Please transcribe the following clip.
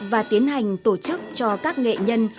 và tiến hành tổ chức cho các nghệ nhân